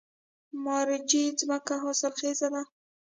مارجې ځمکې حاصلخیزه دي؟